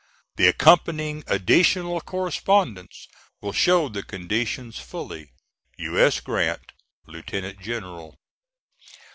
The accompanying additional correspondence will show the conditions fully. U. S. GRANT, Lieut. General.